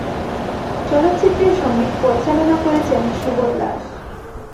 চলচ্চিত্রের সঙ্গীত পরিচালনা করেছেন সুবল দাস।